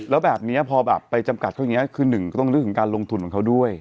แล้วแบบนี้พอแบบไปจำกัดเขาอย่างนี้คือหนึ่งก็ต้องเรื่องของการลงทุนของเขาด้วย